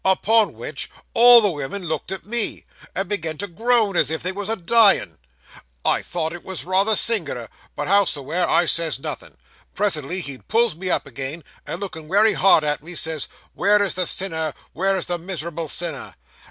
Upon which, all the women looked at me, and began to groan as if they was a dying. I thought it was rather sing'ler, but howsoever, I says nothing. Presently he pulls up again, and lookin' wery hard at me, says, "Where is the sinner; where is the mis'rable sinner?"